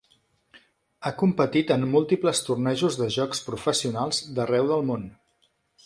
Ha competit en múltiples tornejos de jocs professionals d'arreu del món.